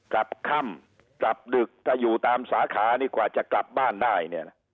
กลับค่ำกลับดึกถ้าอยู่ตามสาขานี่กว่าจะกลับบ้านได้เนี่ยนะ